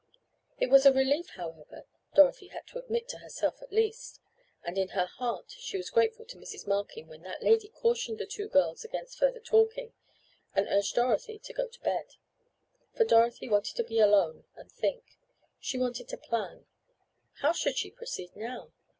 It was a relief, however, Dorothy had to admit to herself at least, and in her heart she was grateful to Mrs. Markin when that lady cautioned the two girls against further talking, and urged Dorothy to go to bed. For Dorothy wanted to be alone and think. She wanted to plan. How should she proceed now?